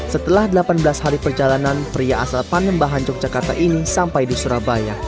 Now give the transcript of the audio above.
setelah delapan belas hari perjalanan pria asal panembahan yogyakarta ini sampai di surabaya